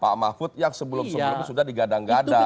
pak mahfud yang sebelum sebelumnya sudah digadang gadang